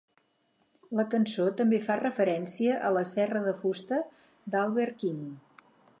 La cançó també fa referència a la "Serra de fusta" d'Albert King.